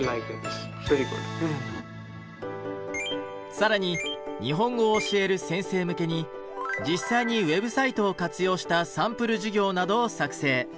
更に日本語を教える先生向けに実際にウェブサイトを活用したサンプル授業などを作成。